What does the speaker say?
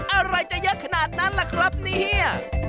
อะไรจะเยอะขนาดนั้นล่ะครับเนี่ย